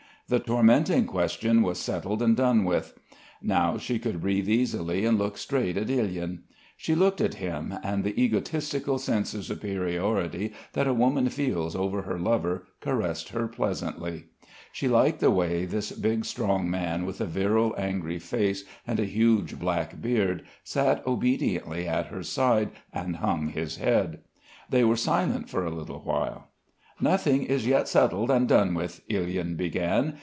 The tormenting question was settled and done with. Now she could breathe easily and look straight at Ilyin. She looked at him, and the egotistical sense of superiority that a woman feels over her lover caressed her pleasantly. She liked the way this big strong man with a virile angry face and a huge black beard sat obediently at her side and hung his head. They were silent for a little while. "Nothing is yet settled and done with," Ilyin began.